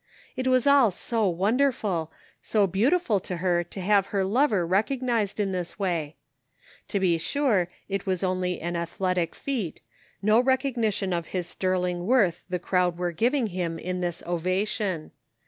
It was all so wonderful, so beautiful to her to have her lover recognized in this way. To be sure, it was only an athletic feat, no recognition of his sterling worth the crowd were giving him in this ovation.